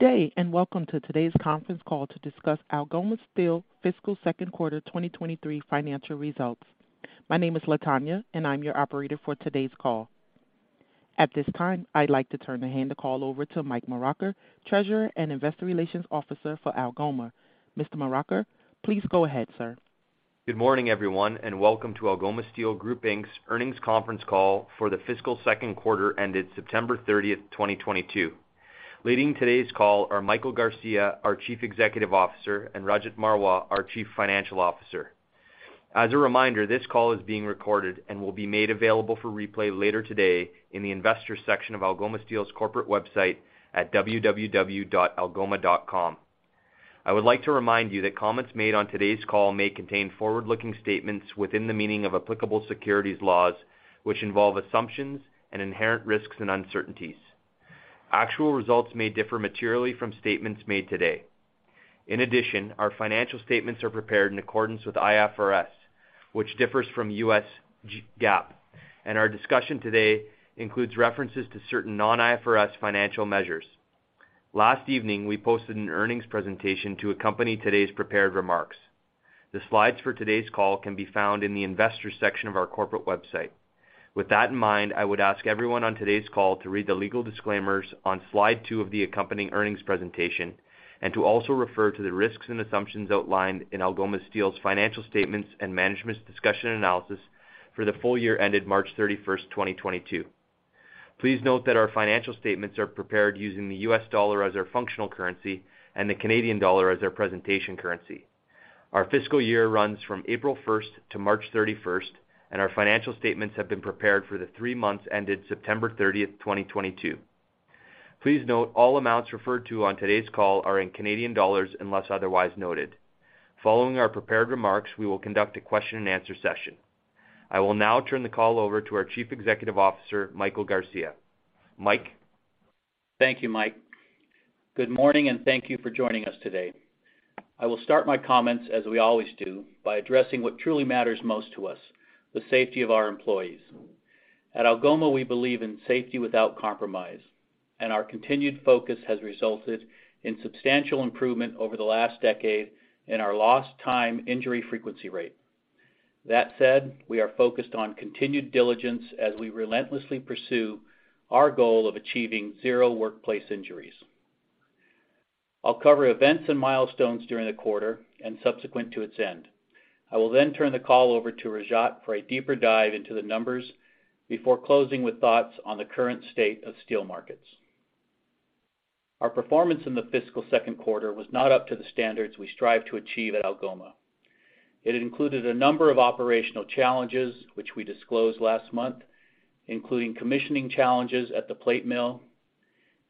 Good day, welcome to today's conference call to discuss Algoma Steel fiscal second quarter 2023 financial results. My name is Latonya, and I'm your operator for today's call. At this time, I'd like to turn the call over to Mike Moraca, Treasurer and Investor Relations Officer for Algoma. Mr. Moraca, please go ahead, sir. Good morning everyone, welcome to Algoma Steel Group Inc.'s earnings conference call for the fiscal second quarter ended September 30th, 2022. Leading today's call are Michael Garcia, our Chief Executive Officer, and Rajat Marwah, our Chief Financial Officer. As a reminder, this call is being recorded and will be made available for replay later today in the investors section of Algoma Steel's corporate website at www.algoma.com. I would like to remind you that comments made on today's call may contain forward-looking statements within the meaning of applicable securities laws, which involve assumptions and inherent risks and uncertainties. Actual results may differ materially from statements made today. Our financial statements are prepared in accordance with IFRS, which differs from US GAAP, and our discussion today includes references to certain non-IFRS financial measures. Last evening, we posted an earnings presentation to accompany today's prepared remarks. The slides for today's call can be found in the investors section of our corporate website. With that in mind, I would ask everyone on today's call to read the legal disclaimers on slide two of the accompanying earnings presentation, and to also refer to the risks and assumptions outlined in Algoma Steel's financial statements and management's discussion and analysis for the full year ended March 31st, 2022. Please note that our financial statements are prepared using the US dollar as our functional currency and the Canadian dollar as our presentation currency. Our fiscal year runs from April 1st to March 31st, and our financial statements have been prepared for the three months ended September 30th, 2022. Please note all amounts referred to on today's call are in Canadian dollars unless otherwise noted. Following our prepared remarks, we will conduct a question and answer session. I will now turn the call over to our Chief Executive Officer, Michael Garcia. Mike? Thank you, Mike. Good morning, and thank you for joining us today. I will start my comments, as we always do, by addressing what truly matters most to us, the safety of our employees. At Algoma, we believe in safety without compromise, and our continued focus has resulted in substantial improvement over the last decade in our lost time injury frequency rate. That said, we are focused on continued diligence as we relentlessly pursue our goal of achieving zero workplace injuries. I will cover events and milestones during the quarter and subsequent to its end. I will then turn the call over to Rajat for a deeper dive into the numbers before closing with thoughts on the current state of steel markets. Our performance in the fiscal second quarter was not up to the standards we strive to achieve at Algoma. It included a number of operational challenges which we disclosed last month, including commissioning challenges at the plate mill,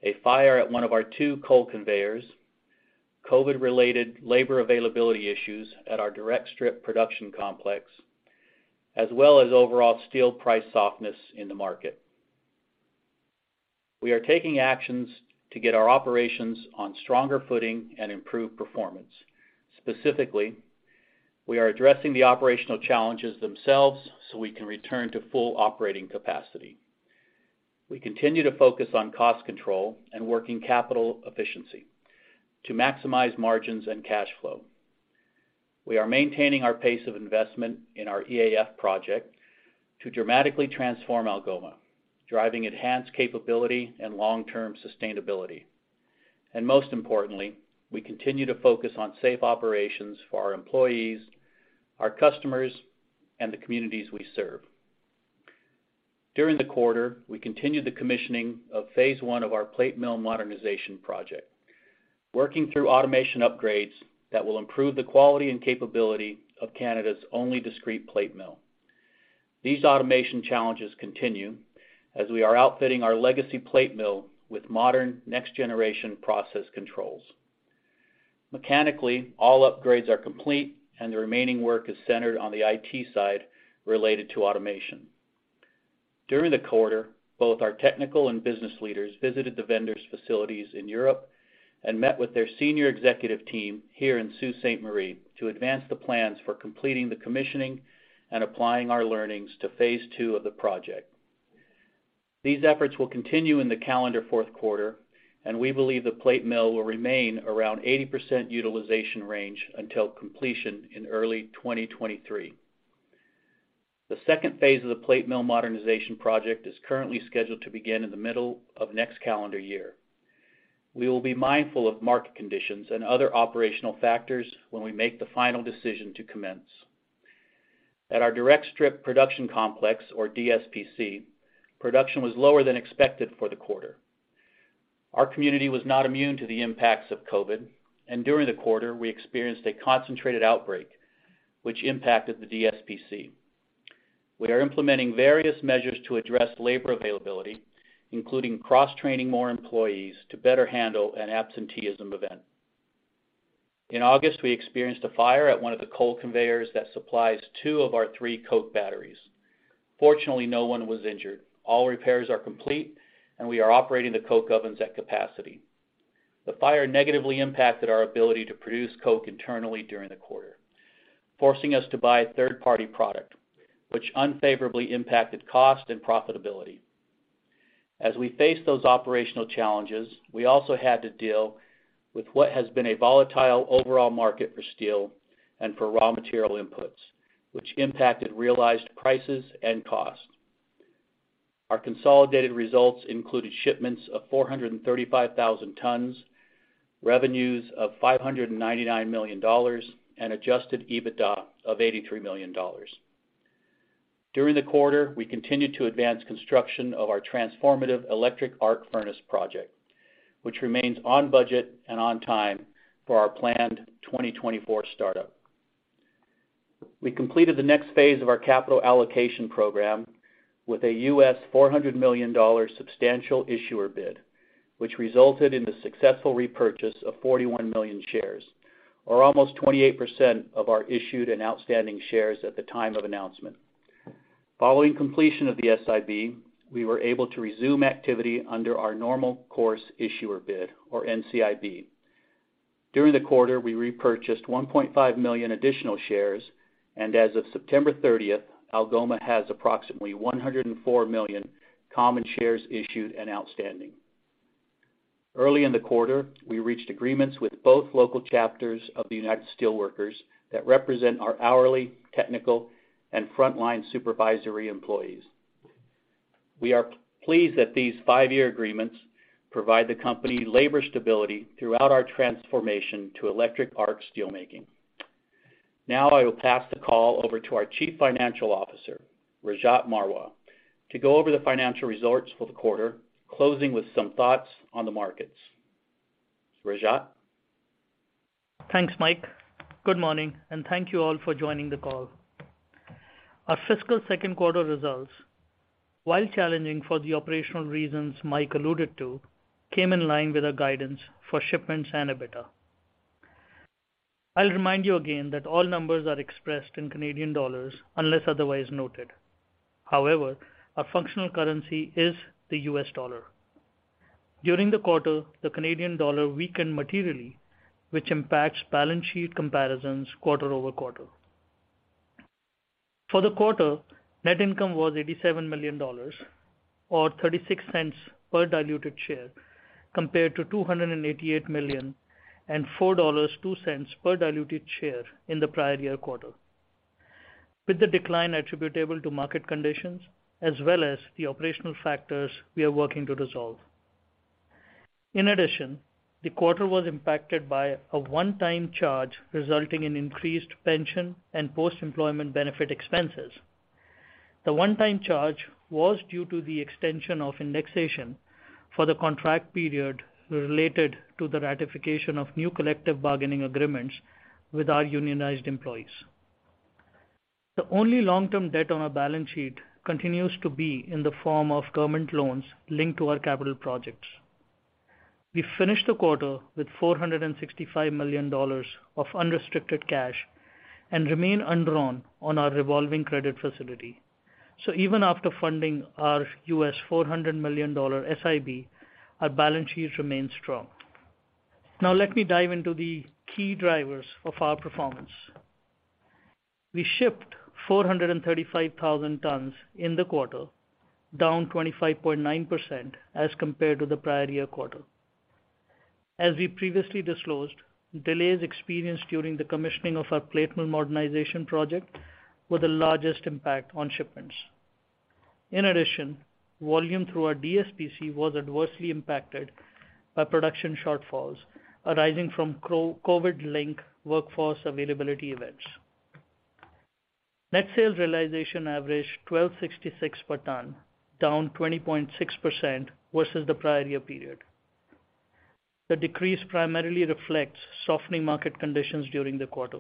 a fire at one of our two coal conveyors, COVID-related labor availability issues at our Direct Strip Production Complex, as well as overall steel price softness in the market. We are taking actions to get our operations on stronger footing and improve performance. Specifically, we are addressing the operational challenges themselves so we can return to full operating capacity. We continue to focus on cost control and working capital efficiency to maximize margins and cash flow. We are maintaining our pace of investment in our EAF project to dramatically transform Algoma, driving enhanced capability and long-term sustainability. Most importantly, we continue to focus on safe operations for our employees, our customers, and the communities we serve. During the quarter, we continued the commissioning of phase 1 of our plate mill modernization project, working through automation upgrades that will improve the quality and capability of Canada's only discrete plate mill. These automation challenges continue as we are outfitting our legacy plate mill with modern next-generation process controls. Mechanically, all upgrades are complete and the remaining work is centered on the IT side related to automation. During the quarter, both our technical and business leaders visited the vendor's facilities in Europe and met with their senior executive team here in Sault Ste. Marie to advance the plans for completing the commissioning and applying our learnings to phase 2 of the project. These efforts will continue in the calendar fourth quarter, and we believe the plate mill will remain around 80% utilization range until completion in early 2023. The second phase of the plate mill modernization project is currently scheduled to begin in the middle of next calendar year. We will be mindful of market conditions and other operational factors when we make the final decision to commence. At our Direct Strip Production Complex, or DSPC, production was lower than expected for the quarter. Our community was not immune to the impacts of COVID, and during the quarter, we experienced a concentrated outbreak which impacted the DSPC. We are implementing various measures to address labor availability, including cross-training more employees to better handle an absenteeism event. In August, we experienced a fire at one of the coal conveyors that supplies two of our three coke batteries. Fortunately, no one was injured. All repairs are complete, and we are operating the coke ovens at capacity. The fire negatively impacted our ability to produce coke internally during the quarter, forcing us to buy a third-party product, which unfavorably impacted cost and profitability. As we face those operational challenges, we also had to deal with what has been a volatile overall market for steel and for raw material inputs, which impacted realized prices and cost. Our consolidated results included shipments of 435,000 tons, revenues of 599 million dollars, and adjusted EBITDA of 83 million dollars. During the quarter, we continued to advance construction of our transformative electric arc furnace project, which remains on budget and on time for our planned 2024 startup. We completed the next phase of our capital allocation program with a $400 million substantial issuer bid, which resulted in the successful repurchase of 41 million shares, or almost 28% of our issued and outstanding shares at the time of announcement. Following completion of the SIB, we were able to resume activity under our normal course issuer bid or NCIB. During the quarter, we repurchased 1.5 million additional shares, and as of September 30th, Algoma has approximately 104 million common shares issued and outstanding. Early in the quarter, we reached agreements with both local chapters of the United Steelworkers that represent our hourly, technical, and frontline supervisory employees. We are pleased that these five-year agreements provide the company labor stability throughout our transformation to electric arc steel making. I will pass the call over to our Chief Financial Officer, Rajat Marwah, to go over the financial results for the quarter, closing with some thoughts on the markets. Rajat? Thanks, Mike. Good morning, and thank you, all, for joining the call. Our fiscal second quarter results, while challenging for the operational reasons Mike alluded to, came in line with our guidance for shipments and EBITDA. I will remind you again that all numbers are expressed in Canadian dollars unless otherwise noted. However, our functional currency is the US dollar. During the quarter, the Canadian dollar weakened materially, which impacts balance sheet comparisons quarter-over-quarter. For the quarter, net income was 87 million dollars, or 0.36 per diluted share, compared to 288 million and 4.02 dollars per diluted share in the prior-year quarter, with the decline attributable to market conditions as well as the operational factors we are working to resolve. The quarter was impacted by a one-time charge resulting in increased pension and post-employment benefit expenses. The one-time charge was due to the extension of indexation for the contract period related to the ratification of new collective bargaining agreements with our unionized employees. The only long-term debt on our balance sheet continues to be in the form of government loans linked to our capital projects. We finished the quarter with 465 million dollars of unrestricted cash and remain undrawn on our revolving credit facility. Even after funding our $400 million SIB, our balance sheet remains strong. Let me dive into the key drivers of our performance. We shipped 435,000 tons in the quarter, down 25.9% as compared to the prior-year quarter. As we previously disclosed, delays experienced during the commissioning of our plate mill modernization project were the largest impact on shipments. Volume through our DSPC was adversely impacted by production shortfalls arising from COVID-linked workforce availability events. Net sales realization averaged 1,266 per ton, down 20.6% versus the prior year period. The decrease primarily reflects softening market conditions during the quarter.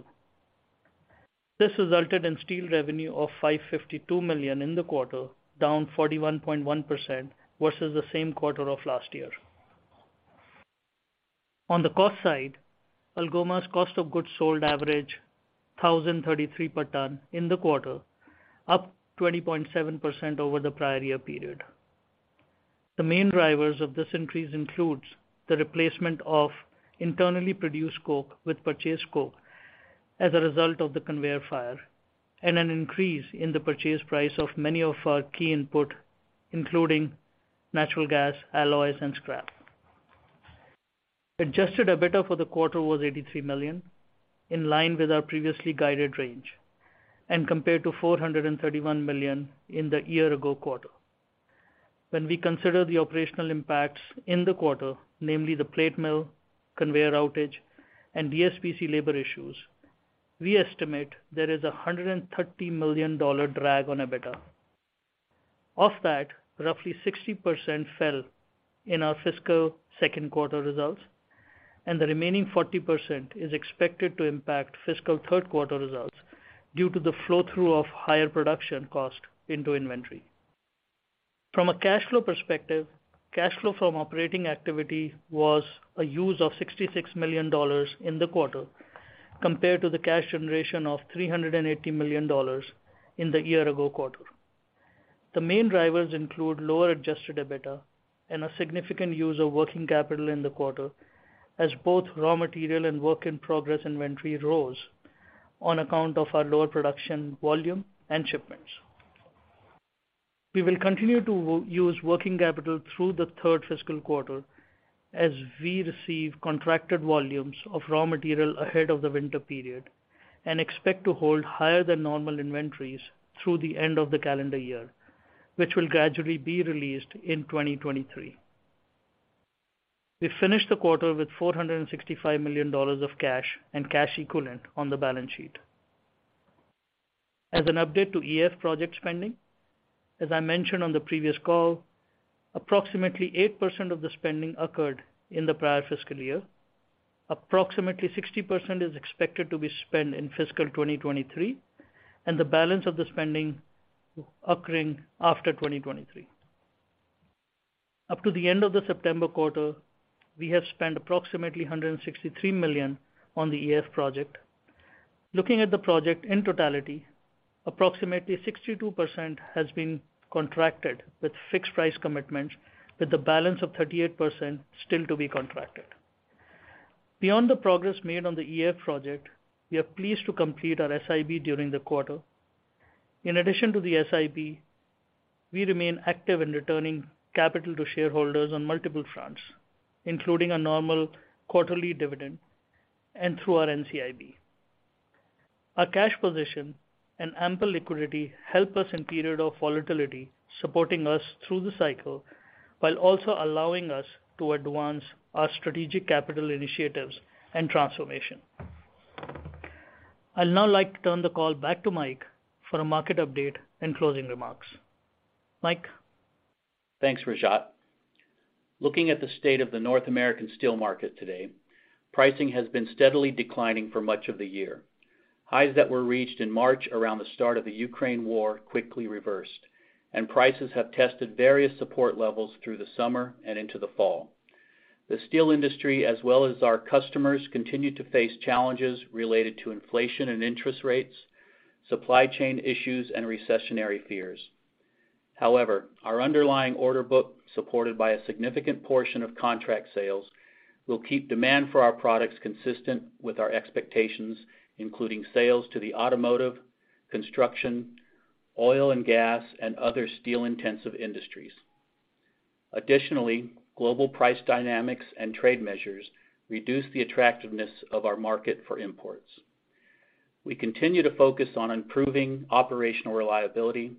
This resulted in steel revenue of $552 million in the quarter, down 41.1% versus the same quarter of last year. On the cost side, Algoma's cost of goods sold average 1,033 per ton in the quarter, up 20.7% over the prior year period. The main drivers of this increase includes the replacement of internally produced coke with purchased coke as a result of the conveyor fire, and an increase in the purchase price of many of our key input, including natural gas, alloys, and scrap. Adjusted EBITDA for the quarter was $83 million, in line with our previously guided range, and compared to $431 million in the year-ago quarter. When we consider the operational impacts in the quarter, namely the plate mill, conveyor outage, and DSPC labor issues, we estimate there is a $130 million drag on EBITDA. Of that, roughly 60% fell in our fiscal second quarter results, and the remaining 40% is expected to impact fiscal third quarter results due to the flow-through of higher production cost into inventory. From a cash flow perspective, cash flow from operating activity was a use of $66 million in the quarter compared to the cash generation of $380 million in the year-ago quarter. The main drivers include lower adjusted EBITDA and a significant use of working capital in the quarter, as both raw material and work-in-progress inventory rose on account of our lower production volume and shipments. We will continue to use working capital through the third fiscal quarter as we receive contracted volumes of raw material ahead of the winter period, and expect to hold higher than normal inventories through the end of the calendar year, which will gradually be released in 2023. We finished the quarter with $465 million of cash and cash equivalent on the balance sheet. As an update to EAF project spending, as I mentioned on the previous call, approximately 8% of the spending occurred in the prior fiscal year. Approximately 60% is expected to be spent in fiscal 2023, and the balance of the spending occurring after 2023. Up to the end of the September quarter, we have spent approximately $163 million on the EAF project. Looking at the project in totality, approximately 62% has been contracted with fixed price commitments, with the balance of 38% still to be contracted. Beyond the progress made on the EAF project, we are pleased to complete our SIB during the quarter. In addition to the SIB, we remain active in returning capital to shareholders on multiple fronts, including a normal quarterly dividend and through our NCIB. Our cash position and ample liquidity help us in period of volatility, supporting us through the cycle, while also allowing us to advance our strategic capital initiatives and transformation. I'd now like to turn the call back to Mike for a market update and closing remarks. Mike? Thanks, Rajat. Looking at the state of the North American steel market today, pricing has been steadily declining for much of the year. Highs that were reached in March around the start of the Ukraine War quickly reversed, and prices have tested various support levels through the summer and into the fall. The steel industry, as well as our customers, continue to face challenges related to inflation and interest rates, supply chain issues, and recessionary fears. However, our underlying order book, supported by a significant portion of contract sales, will keep demand for our products consistent with our expectations, including sales to the automotive, construction, oil and gas, and other steel-intensive industries. Additionally, global price dynamics and trade measures reduce the attractiveness of our market for imports. We continue to focus on improving operational reliability,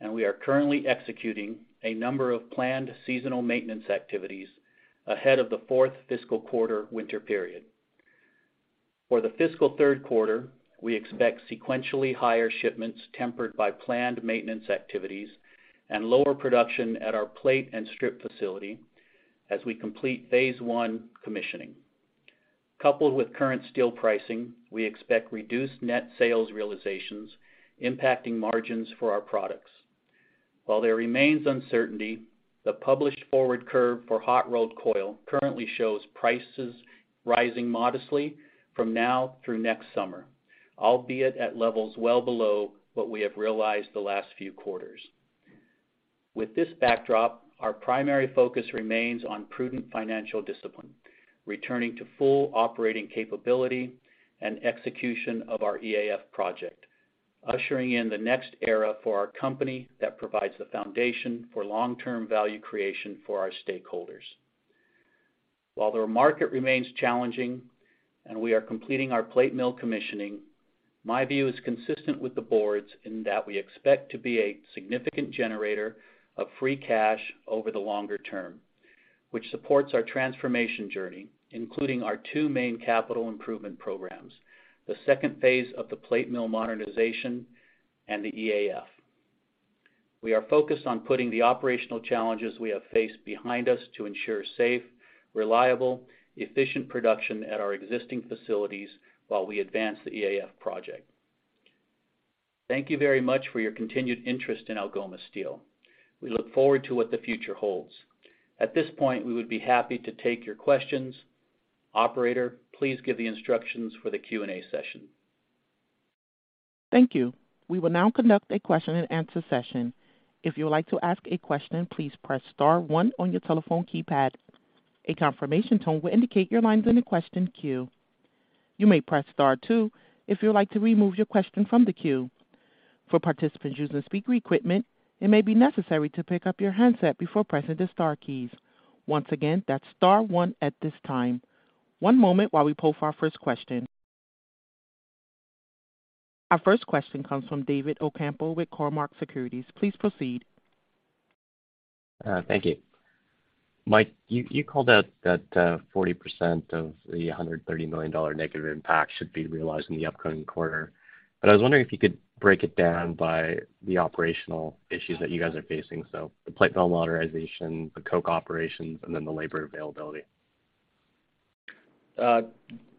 and we are currently executing a number of planned seasonal maintenance activities ahead of the fourth fiscal quarter winter period. For the fiscal third quarter, we expect sequentially higher shipments tempered by planned maintenance activities and lower production at our plate and strip facility as we complete phase 1 commissioning. Coupled with current steel pricing, we expect reduced net sales realizations impacting margins for our products. While there remains uncertainty, the published forward curve for hot rolled coil currently shows prices rising modestly from now through next summer, albeit at levels well below what we have realized the last few quarters. With this backdrop, our primary focus remains on prudent financial discipline, returning to full operating capability, and execution of our EAF project, ushering in the next era for our company that provides the foundation for long-term value creation for our stakeholders. While the market remains challenging and we are completing our plate mill commissioning, my view is consistent with the boards in that we expect to be a significant generator of free cash over the longer term, which supports our transformation journey, including our two main capital improvement programs, the second phase of the plate mill modernization and the EAF. We are focused on putting the operational challenges we have faced behind us to ensure safe, reliable, efficient production at our existing facilities while we advance the EAF project. Thank you very much for your continued interest in Algoma Steel. We look forward to what the future holds. At this point, we would be happy to take your questions. Operator, please give the instructions for the Q&A session. Thank you. We will now conduct a question and answer session. If you would like to ask a question, please press star one on your telephone keypad. A confirmation tone will indicate your line's in the question queue. You may press star two if you would like to remove your question from the queue. For participants using speaker equipment, it may be necessary to pick up your handset before pressing the star keys. Once again, that's star one at this time. One moment while we poll for our first question. Our first question comes from David Ocampo with Cormark Securities. Please proceed. Thank you. Mike, you called out that 40% of the 130 million dollar negative impact should be realized in the upcoming quarter. I was wondering if you could break it down by the operational issues that you guys are facing, the plate mill modernization, the coke operations, and the labor availability.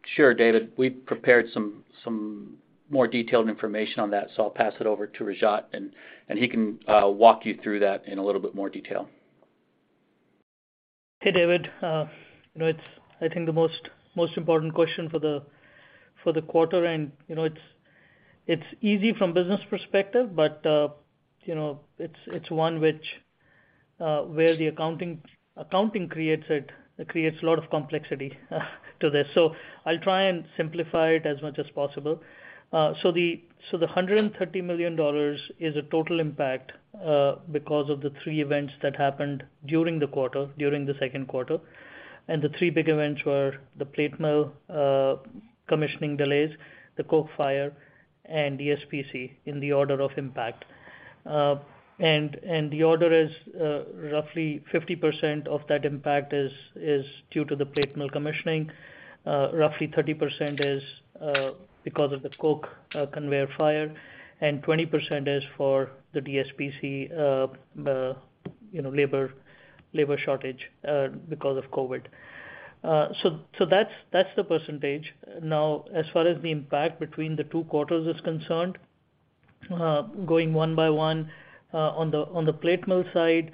Sure, David. We prepared some more detailed information on that. I'll pass it over to Rajat, and he can walk you through that in a little bit more detail. Hey, David. It's, I think, the most important question for the quarter. It's easy from business perspective, but it's one where the accounting creates a lot of complexity to this. I'll try and simplify it as much as possible. The 130 million dollars is a total impact, because of the three events that happened during the second quarter. The three big events were the plate mill commissioning delays, the coke fire, and DSPC, in the order of impact. The order is roughly 50% of that impact is due to the plate mill commissioning. Roughly 30% is because of the coke conveyor fire, and 20% is for the DSPC labor shortage, because of COVID. That's the percentage. Now, as far as the impact between the two quarters is concerned, going one by one. On the plate mill side,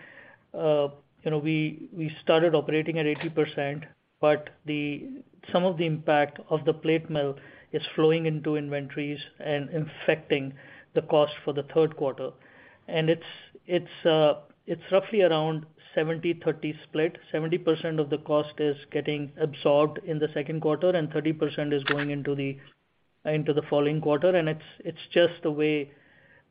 we started operating at 80%, but some of the impact of the plate mill is flowing into inventories and affecting the cost for the third quarter. It's roughly around 70-30 split. 70% of the cost is getting absorbed in the second quarter, and 30% is going into the following quarter. It's just the way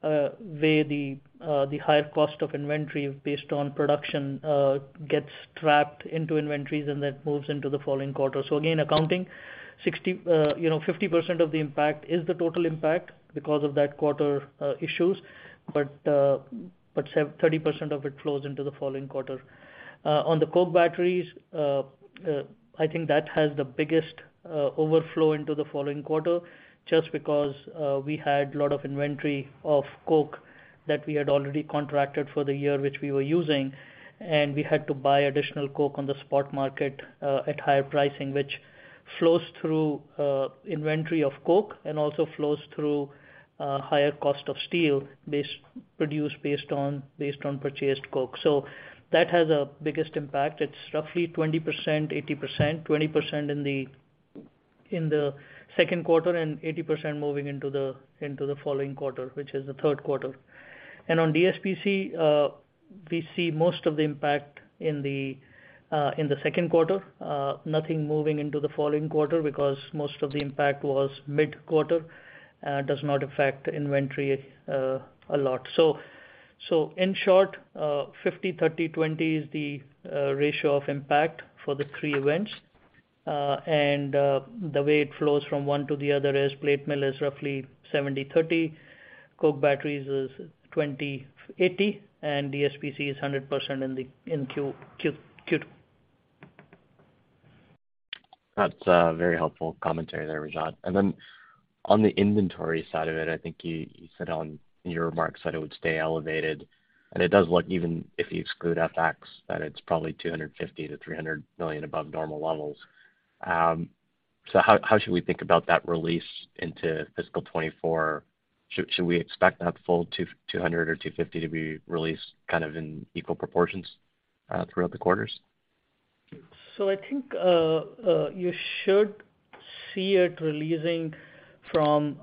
the higher cost of inventory based on production gets trapped into inventories and then moves into the following quarter. Again, accounting, 50% of the impact is the total impact because of that quarter issues, but 30% of it flows into the following quarter. On the coke batteries, I think that has the biggest overflow into the following quarter, just because we had a lot of inventory of coke that we had already contracted for the year, which we were using, and we had to buy additional coke on the spot market at higher pricing, which flows through inventory of coke and also flows through higher cost of steel produced based on purchased coke. That has a biggest impact. It is roughly 20%/80%, 20% in the second quarter and 80% moving into the following quarter, which is the third quarter. On DSPC, we see most of the impact in the second quarter. Nothing moving into the following quarter because most of the impact was mid-quarter, does not affect the inventory a lot. In short, 50, 30, 20 is the ratio of impact for the three events. The way it flows from one to the other is plate mill is roughly 70/30, coke batteries is 20/80, and DSPC is 100% in Q2. That is a very helpful commentary there, Rajat. On the inventory side of it, I think you said on your remarks that it would stay elevated, and it does look, even if you exclude FX, that it is probably $250 million-$300 million above normal levels. How should we think about that release into fiscal 2024? Should we expect that full $200 or $250 to be released kind of in equal proportions throughout the quarters? I think you should see it releasing from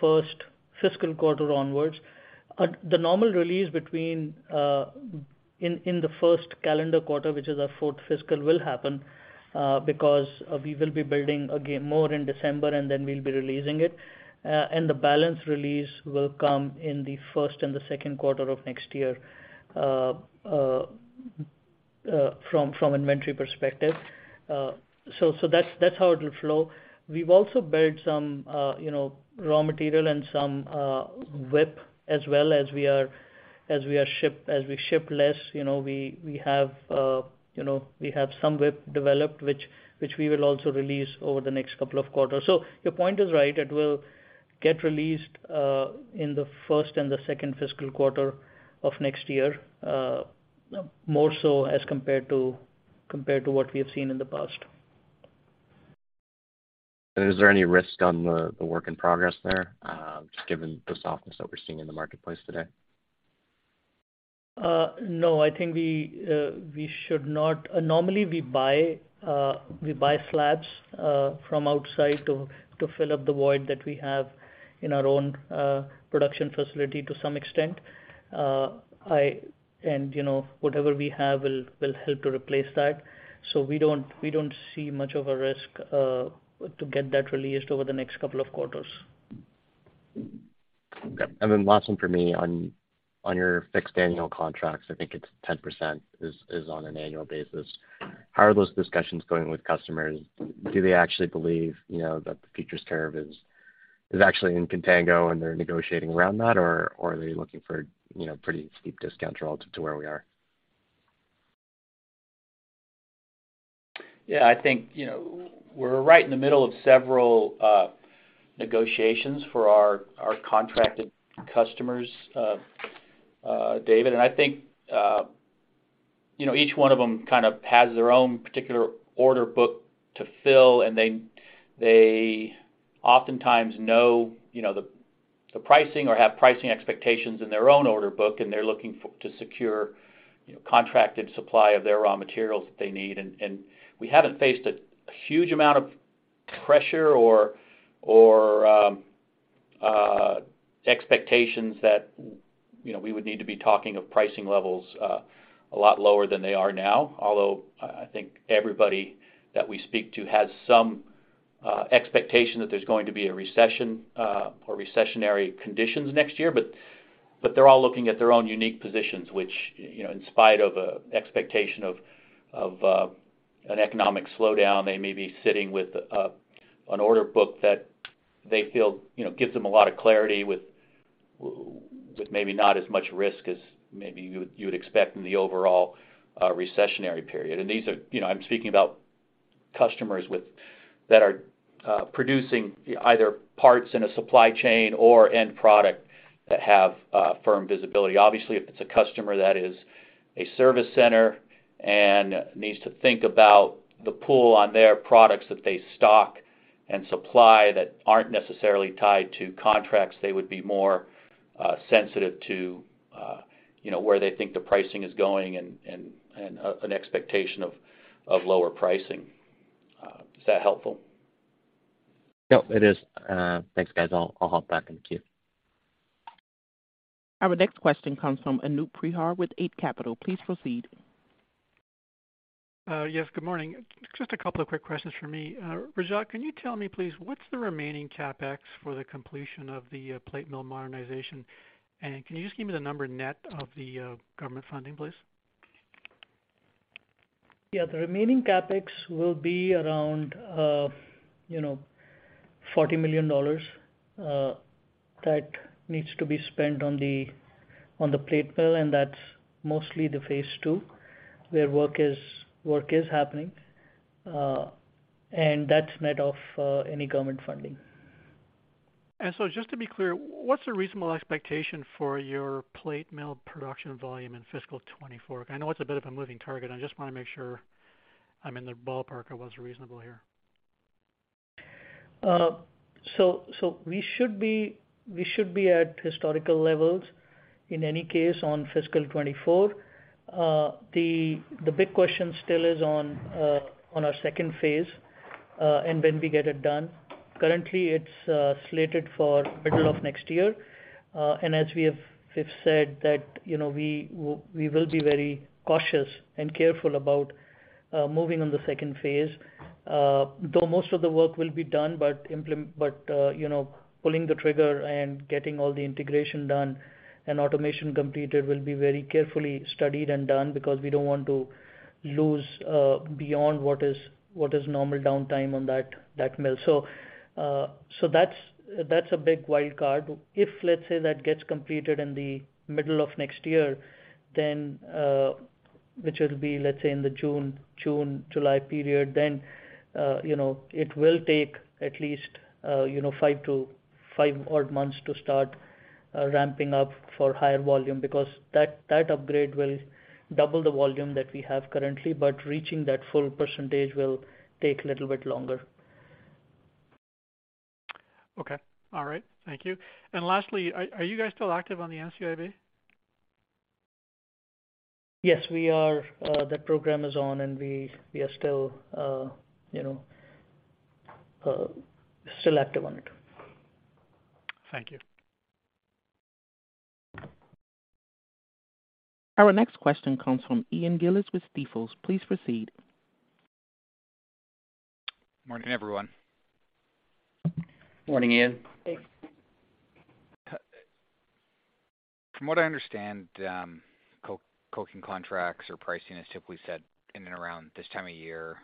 first fiscal quarter onwards. The normal release in the first calendar quarter, which is our fourth fiscal, will happen, because we will be building again more in December, and then we will be releasing it. The balance release will come in the first and the second quarter of next year from inventory perspective. That is how it will flow. We have also built some raw material and some WIP as well as we ship less, we have some WIP developed which we will also release over the next couple of quarters. Your point is right, it will get released in the first and the second fiscal quarter of next year, more so as compared to what we have seen in the past. Is there any risk on the work in progress there, just given the softness that we're seeing in the marketplace today? No. I think we should not. Normally, we buy slabs from outside to fill up the void that we have in our own production facility to some extent. Whatever we have will help to replace that. We don't see much of a risk to get that released over the next couple of quarters. Okay. Last one for me. On your fixed annual contracts, I think it's 10% is on an annual basis. How are those discussions going with customers? Do they actually believe that the futures curve is actually in contango and they're negotiating around that? Or are they looking for pretty steep discounts relative to where we are? Yeah, I think we're right in the middle of several negotiations for our contracted customers, David. I think each one of them kind of has their own particular order book to fill, and they oftentimes know the pricing or have pricing expectations in their own order book, and they're looking to secure contracted supply of their raw materials that they need. We haven't faced a huge amount of pressure or expectations that we would need to be talking of pricing levels a lot lower than they are now. Although, I think everybody that we speak to has some expectation that there's going to be a recession or recessionary conditions next year. They're all looking at their own unique positions, which in spite of an expectation of an economic slowdown, they may be sitting with an order book that they feel gives them a lot of clarity with maybe not as much risk as maybe you would expect in the overall recessionary period. I'm speaking about customers that are producing either parts in a supply chain or end product that have firm visibility. Obviously, if it's a customer that is a service center and needs to think about the pull on their products that they stock and supply that aren't necessarily tied to contracts, they would be more sensitive to where they think the pricing is going and an expectation of lower pricing. Is that helpful? Yep, it is. Thanks, guys. I'll hop back in the queue. Our next question comes from Anoop Prihar with Eight Capital. Please proceed. Yes, good morning. Just a couple of quick questions from me. Rajat, can you tell me, please, what's the remaining CapEx for the completion of the plate mill modernization? Can you just give me the number net of the government funding, please? Yeah. The remaining CapEx will be around 40 million dollars that needs to be spent on the plate mill, and that's mostly the phase 2, where work is happening. That's net of any government funding. Just to be clear, what's a reasonable expectation for your plate mill production volume in fiscal 2024? I know it's a bit of a moving target. I just want to make sure I'm in the ballpark of what's reasonable here. We should be at historical levels in any case on fiscal 2024. The big question still is on our second phase and when we get it done. Currently, it's slated for middle of next year. As we have said that we will be very cautious and careful about moving on the second phase. Though most of the work will be done, but pulling the trigger and getting all the integration done and automation completed will be very carefully studied and done because we don't want to lose beyond what is normal downtime on that mill. That's a big wild card. If, let's say, that gets completed in the middle of next year, which will be, let's say, in the June-July period, then it will take at least five odd months to start ramping up for higher volume. That upgrade will double the volume that we have currently, but reaching that full percentage will take a little bit longer. Okay. All right. Thank you. Lastly, are you guys still active on the NCIB? Yes, we are. That program is on, and we are still active on it. Thank you. Our next question comes from Ian Gillies with Stifel. Please proceed. Morning, everyone. Morning, Ian. From what I understand, coking contracts or pricing is typically set in and around this time of year.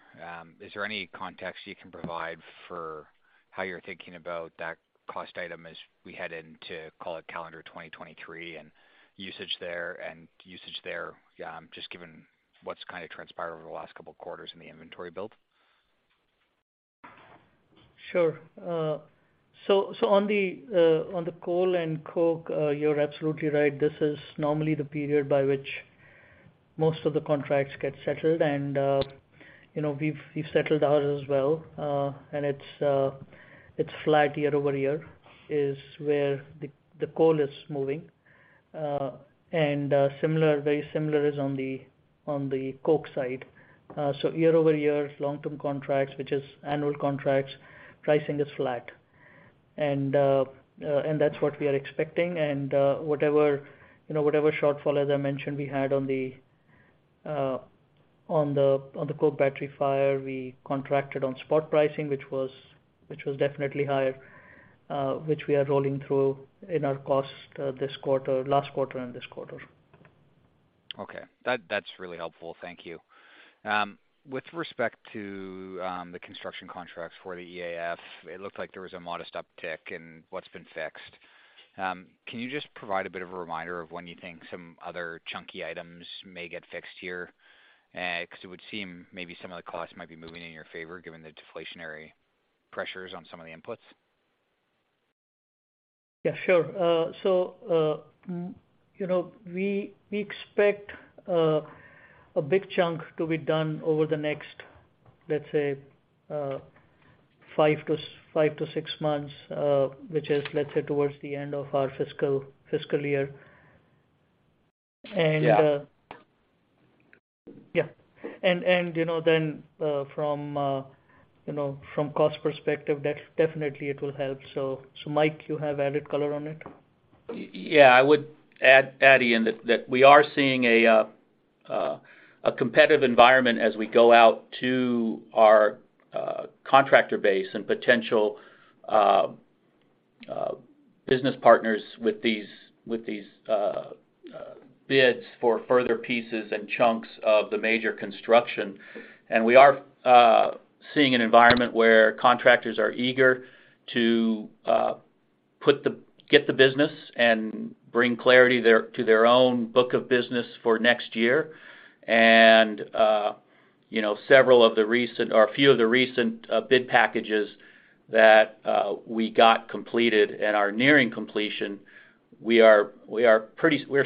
Is there any context you can provide for how you're thinking about that cost item as we head into, call it calendar 2023, and usage there? Just given what's transpired over the last couple of quarters in the inventory build. Sure. On the coal and coke, you're absolutely right. This is normally the period by which most of the contracts get settled, and we've settled ours as well. It's flat year-over-year is where the coal is moving. Very similar is on the coke side. Year-over-year, long-term contracts, which is annual contracts, pricing is flat. That's what we are expecting. Whatever shortfall, as I mentioned, we had on the coke battery fire, we contracted on spot pricing, which was definitely higher, which we are rolling through in our cost last quarter and this quarter. Okay. That's really helpful. Thank you. With respect to the construction contracts for the EAF, it looked like there was a modest uptick in what's been fixed. Can you just provide a bit of a reminder of when you think some other chunky items may get fixed here? Because it would seem maybe some of the costs might be moving in your favor, given the deflationary pressures on some of the inputs. Yeah, sure. We expect a big chunk to be done over the next Let's say five to six months, which is, let's say, towards the end of our fiscal year. Yeah. Yeah. From a cost perspective, definitely it will help. Mike, you have added color on it? Yeah, I would add, Ian, that we are seeing a competitive environment as we go out to our contractor base and potential business partners with these bids for further pieces and chunks of the major construction. We are seeing an environment where contractors are eager to get the business and bring clarity to their own book of business for next year. A few of the recent bid packages that we got completed and are nearing completion, we're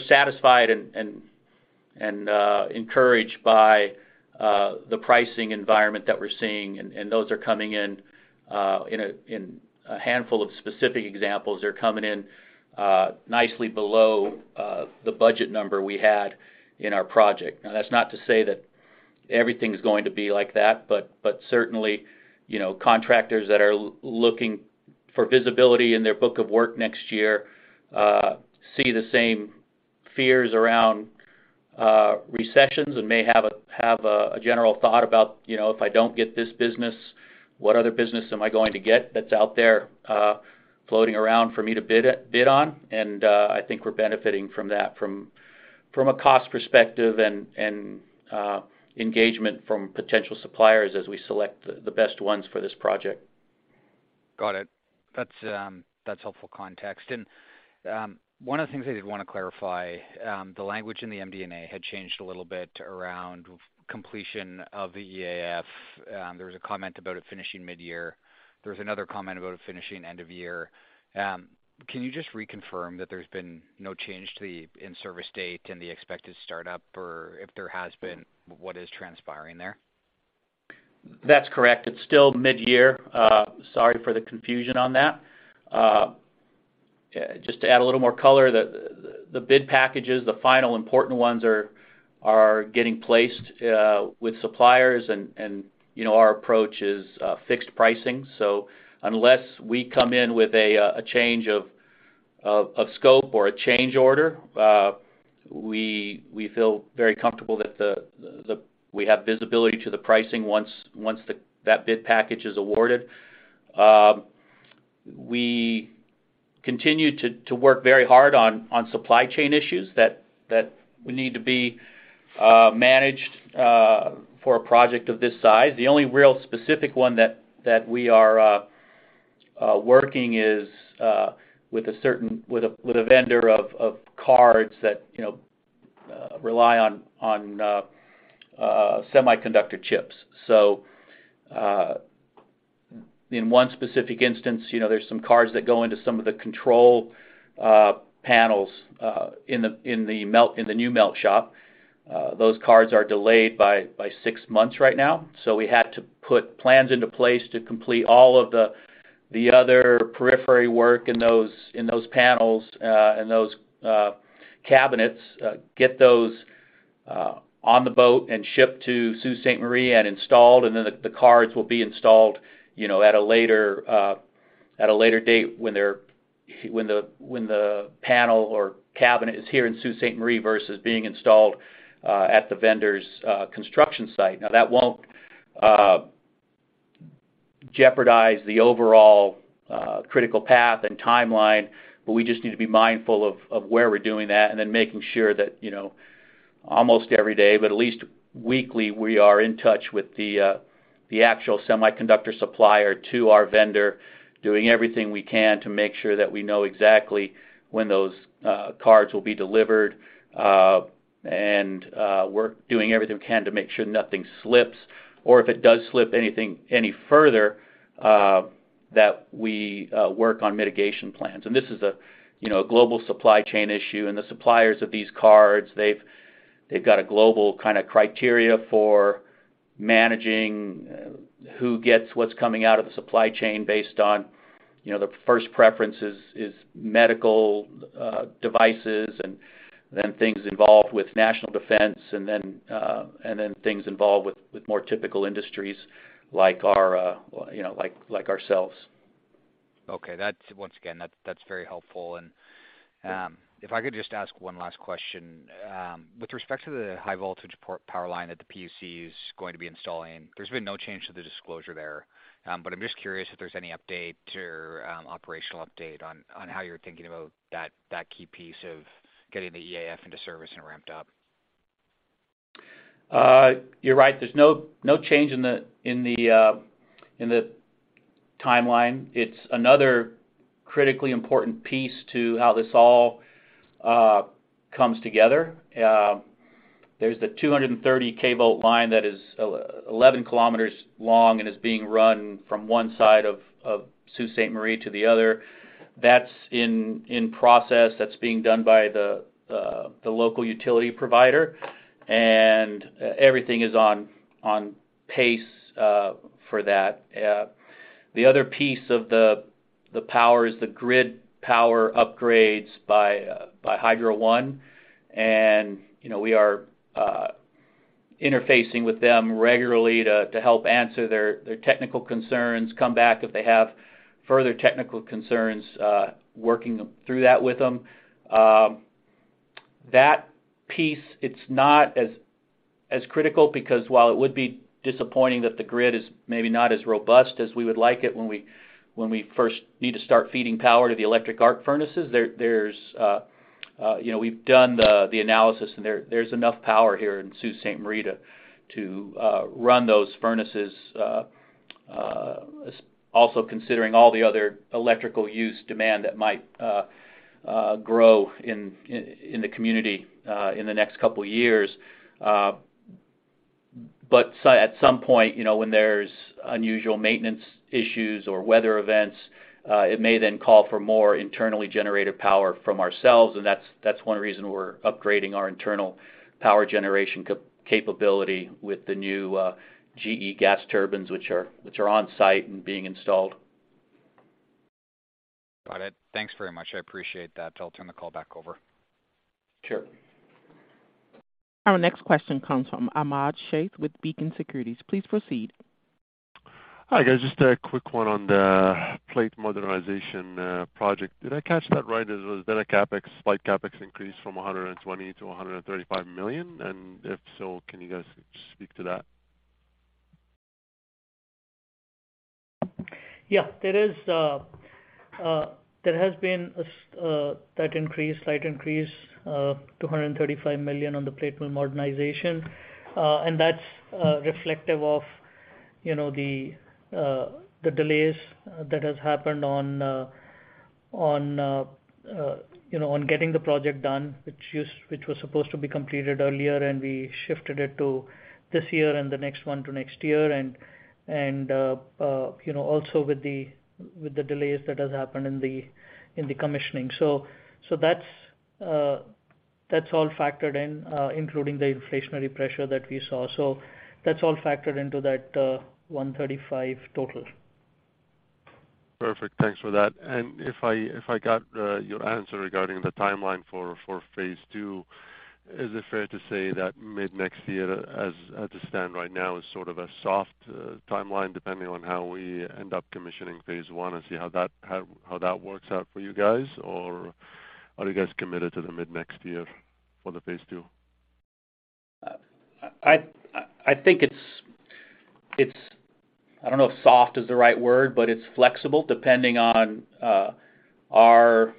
satisfied and encouraged by the pricing environment that we're seeing. Those are coming in, a handful of specific examples are coming in nicely below the budget number we had in our project. Certainly, contractors that are looking for visibility in their book of work next year see the same fears around recessions and may have a general thought about, If I don't get this business, what other business am I going to get that's out there floating around for me to bid on? I think we're benefiting from that from a cost perspective and engagement from potential suppliers as we select the best ones for this project. Got it. That's helpful context. One of the things I did want to clarify, the language in the MD&A had changed a little bit around completion of the EAF. There was a comment about it finishing mid-year. There was another comment about it finishing end of year. Can you just reconfirm that there's been no change to the in-service date and the expected startup? Or if there has been, what is transpiring there? That's correct. It's still mid-year. Sorry for the confusion on that. Just to add a little more color, the bid packages, the final important ones, are getting placed with suppliers. Our approach is fixed pricing. Unless we come in with a change of scope or a change order, we feel very comfortable that we have visibility to the pricing once that bid package is awarded. We continue to work very hard on supply chain issues that need to be managed for a project of this size. The only real specific one that we are working is with a vendor of cards that rely on semiconductor chips. In one specific instance, there's some cards that go into some of the control panels in the new melt shop. Those cards are delayed by six months right now. We had to put plans into place to complete all of the other periphery work in those panels and those cabinets, get those on the boat and shipped to Sault Ste. Marie and installed, then the cards will be installed at a later date when the panel or cabinet is here in Sault Ste. Marie versus being installed at the vendor's construction site. That won't jeopardize the overall critical path and timeline, but we just need to be mindful of where we're doing that and making sure that almost every day, but at least weekly, we are in touch with the actual semiconductor supplier to our vendor, doing everything we can to make sure that we know exactly when those cards will be delivered. We're doing everything we can to make sure nothing slips. if it does slip any further, that we work on mitigation plans. This is a global supply chain issue, and the suppliers of these cards, they've got a global criteria for managing who gets what's coming out of the supply chain based on the first preference is medical devices, and then things involved with national defense, and then things involved with more typical industries like ourselves. Okay. Once again, that's very helpful. if I could just ask one last question. With respect to the high-voltage power line that the PUC is going to be installing, there's been no change to the disclosure there. I'm just curious if there's any update or operational update on how you're thinking about that key piece of getting the EAF into service and ramped up. You're right. There's no change in the timeline. It's another critically important piece to how this all comes together. There's the 230 kV line that is 11 km long and is being run from one side of Sault Ste. Marie to the other. That's in process. That's being done by the local utility provider, and everything is on pace for that. The other piece of the power is the grid power upgrades by Hydro One, and we are interfacing with them regularly to help answer their technical concerns, come back if they have further technical concerns, working through that with them. That piece, it's not as critical because while it would be disappointing that the grid is maybe not as robust as we would like it when we first need to start feeding power to the electric arc furnaces, we've done the analysis, and there's enough power here in Sault Ste. Marie to run those furnaces, also considering all the other electrical use demand that might grow in the community in the next couple of years. At some point, when there's unusual maintenance issues or weather events, it may then call for more internally generated power from ourselves, and that's one reason we're upgrading our internal power generation capability with the new GE gas turbines, which are on-site and being installed. Got it. Thanks very much. I appreciate that. I'll turn the call back over. Sure. Our next question comes from Ahmad Sheikh with Beacon Securities. Please proceed. Hi, guys. Just a quick one on the plate modernization project. Did I catch that right? Was there a slight CapEx increase from $120 million to $135 million? If so, can you guys speak to that? Yeah. There has been that increase, slight increase to $135 million on the plate mill modernization. That's reflective of the delays that has happened on getting the project done, which was supposed to be completed earlier, we shifted it to this year, the next one to next year, also with the delays that has happened in the commissioning. That's all factored in, including the inflationary pressure that we saw. That's all factored into that $135 total. Perfect. Thanks for that. If I got your answer regarding the timeline for phase 2, is it fair to say that mid-next year, as it stands right now, is sort of a soft timeline, depending on how we end up commissioning phase 1 and see how that works out for you guys, are you guys committed to the mid-next year for the phase 2? I don't know if soft is the right word, but it's flexible depending on our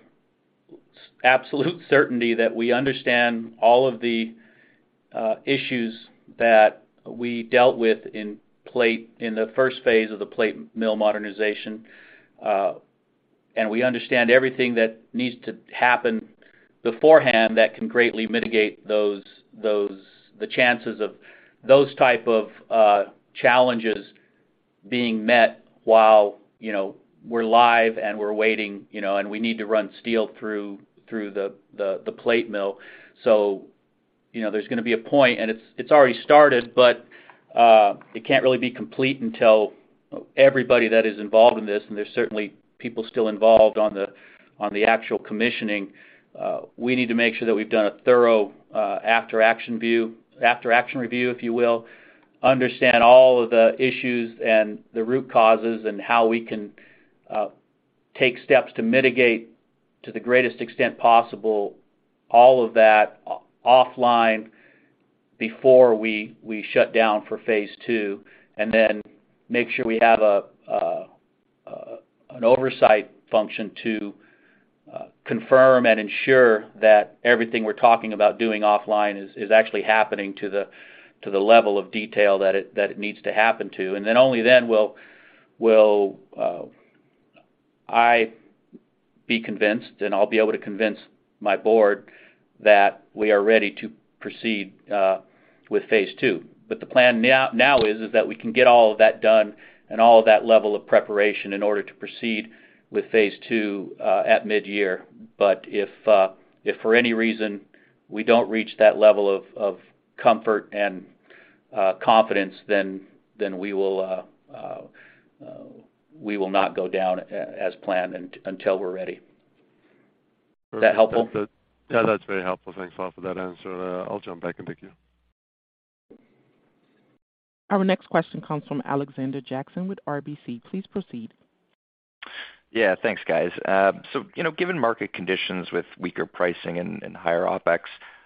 absolute certainty that we understand all of the issues that we dealt with in the first phase of the plate mill modernization. We understand everything that needs to happen beforehand that can greatly mitigate the chances of those type of challenges being met while we're live, and we're waiting, and we need to run steel through the plate mill. There's going to be a point, and it's already started, but it can't really be complete until everybody that is involved in this, and there's certainly people still involved on the actual commissioning. We need to make sure that we've done a thorough after-action review, if you will, understand all of the issues and the root causes, and how we can take steps to mitigate, to the greatest extent possible, all of that offline before we shut down for phase 2. Make sure we have an oversight function to confirm and ensure that everything we're talking about doing offline is actually happening to the level of detail that it needs to happen to. Only then will I be convinced, and I'll be able to convince my board that we are ready to proceed with phase 2. The plan now is that we can get all of that done and all of that level of preparation in order to proceed with phase 2 at mid-year. If for any reason we don't reach that level of comfort and confidence, we will not go down as planned until we're ready. Is that helpful? That's very helpful. Thanks a lot for that answer. I'll jump back in the queue. Our next question comes from Alexander Jackson with RBC. Please proceed. Thanks, guys. Given market conditions with weaker pricing and higher OpEx,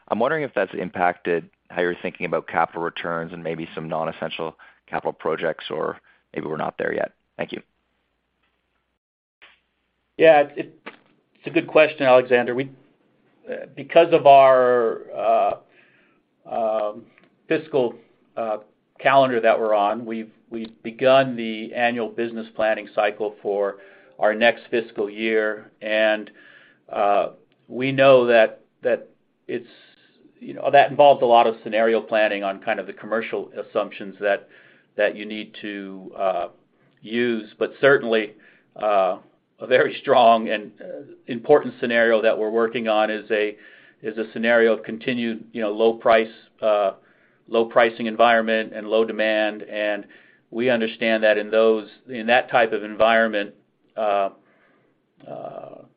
I'm wondering if that's impacted how you're thinking about capital returns and maybe some non-essential capital projects, or maybe we're not there yet. Thank you. It's a good question, Alexander. Because of our fiscal calendar that we're on, we've begun the annual business planning cycle for our next fiscal year, and we know that involves a lot of scenario planning on the commercial assumptions that you need to use. Certainly, a very strong and important scenario that we're working on is a scenario of continued low pricing environment and low demand. We understand that in that type of environment,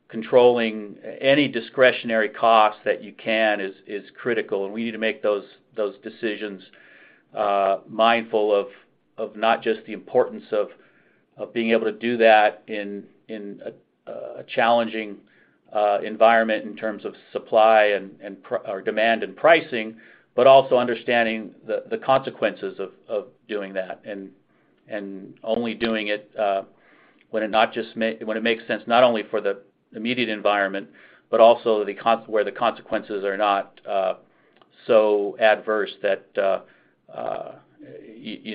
controlling any discretionary cost that you can is critical, and we need to make those decisions mindful of not just the importance of being able to do that in a challenging environment in terms of supply or demand and pricing, but also understanding the consequences of doing that and only doing it when it makes sense, not only for the immediate environment, but also where the consequences are not so adverse that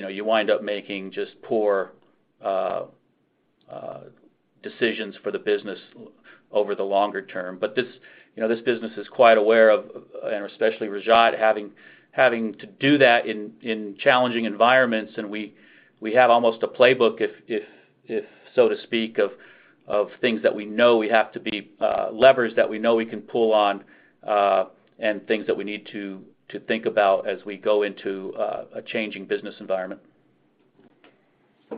you wind up making just poor decisions for the business over the longer term. This business is quite aware of, and especially Rajat, having to do that in challenging environments, and we have almost a playbook, so to speak, of things that we know we have to be levers, that we know we can pull on, and things that we need to think about as we go into a changing business environment.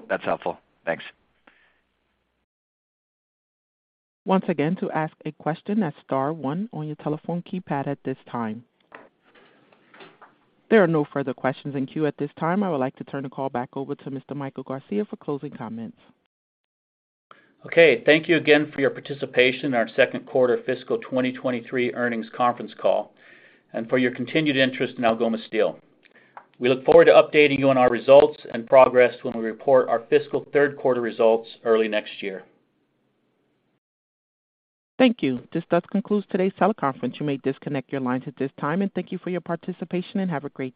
That's helpful. Thanks. Once again, to ask a question, that's star one on your telephone keypad at this time. There are no further questions in queue at this time. I would like to turn the call back over to Mr. Michael Garcia for closing comments. Okay. Thank you again for your participation in our second quarter fiscal 2023 earnings conference call and for your continued interest in Algoma Steel. We look forward to updating you on our results and progress when we report our fiscal third-quarter results early next year. Thank you. This does conclude today's teleconference. You may disconnect your lines at this time, and thank you for your participation, and have a great day.